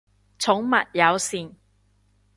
寵物友善